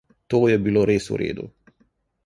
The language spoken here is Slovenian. To je bilo res vredu.